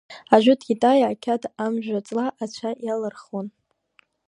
Ажәытә китаиаа ақьаад амжәаҵла ацәа иалырхуан.